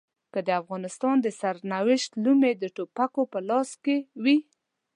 که د افغانستان د سرنوشت لومې د ټوپکو په لاس کې وي.